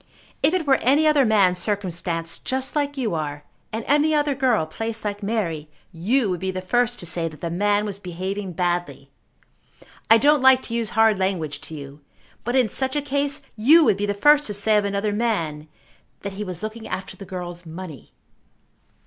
If it were any other man circumstanced just like you are, and any other girl placed like Mary, you would be the first to say that the man was behaving badly. I don't like to use hard language to you, but in such a case you would be the first to say of another man that he was looking after the girl's money."